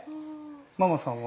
ママさんは？